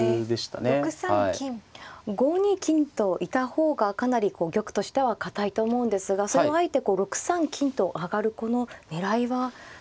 ５二金といた方がかなりこう玉としては堅いと思うんですがそれをあえて６三金と上がるこの狙いは何でしょうか。